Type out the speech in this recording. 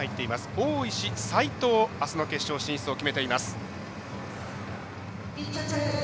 大石、齋藤、あすの決勝進出を決めています。